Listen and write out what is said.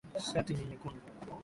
Shati ni nyekundu.